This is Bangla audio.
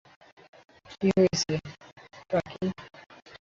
কী হয়েছে, রাকি?